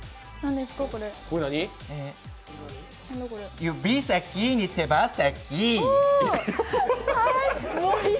指先に手羽先。